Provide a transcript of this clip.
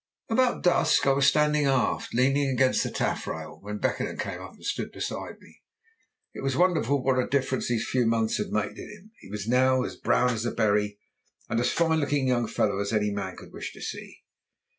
About dusk I was standing aft, leaning against the taff rail, when Beckenham came up and stood beside me. It was wonderful what a difference these few months had made in him; he was now as brown as a berry, and as fine looking a young fellow as any man could wish to see.